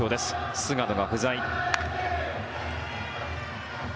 菅野が不在。